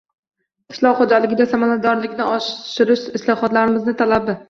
Qishloq xo'jaligida samaradorlikni oshirish-islohotlarimizni talabi.